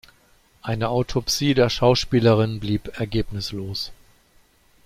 Eine Autopsie der Schauspielerin blieb ergebnislos.